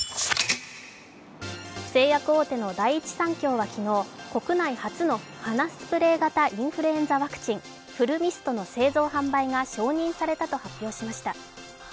製薬大手の第一三共は昨日、国内初の鼻スプレー型インフルエンザワクチン、フルミストの製造販売が承認されたと発表しました。